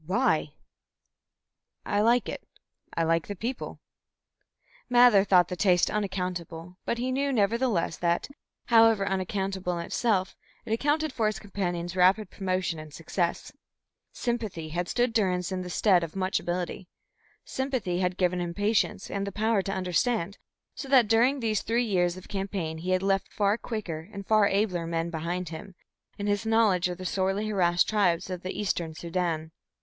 "Why?" "I like it. I like the people." Mather thought the taste unaccountable, but he knew nevertheless that, however unaccountable in itself, it accounted for his companion's rapid promotion and success. Sympathy had stood Durrance in the stead of much ability. Sympathy had given him patience and the power to understand, so that during these three years of campaign he had left far quicker and far abler men behind him, in his knowledge of the sorely harassed tribes of the eastern Soudan.